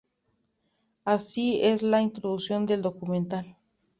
Así es la introducción del documental.